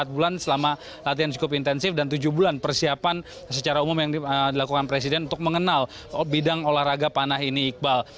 empat bulan selama latihan cukup intensif dan tujuh bulan persiapan secara umum yang dilakukan presiden untuk mengenal bidang olahraga panah ini iqbal